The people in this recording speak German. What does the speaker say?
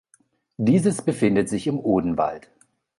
Dieses befindet sich im Odenwald.